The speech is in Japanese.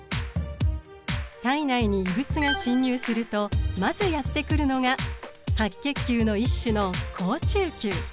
体内に異物が侵入するとまずやって来るのが白血球の一種の好中球。